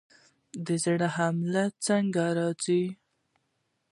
د زړه حمله څنګه راځي؟